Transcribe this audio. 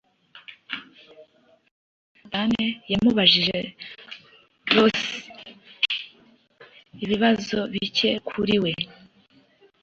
leparan yamubajije rose ibibazo bicye kuri we